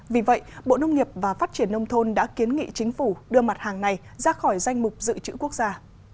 vì vậy bộ nông nghiệp và phát triển nông thôn đã kiến nghị chính phủ đưa mặt hàng này ra khỏi danh mục dự trữ quốc gia